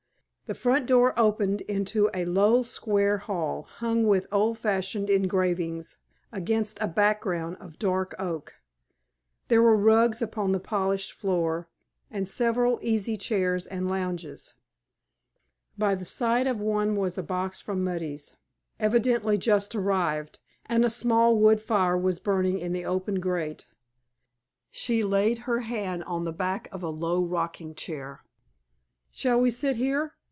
The front door opened into a low, square hall, hung with old fashioned engravings against a background of dark oak. There were rugs upon the polished floor, and several easy chairs and lounges. By the side of one was a box from Mudie's, evidently just arrived, and a small wood fire was burning in the open grate. She laid her hand on the back of a low rocking chair. "Shall we sit here?"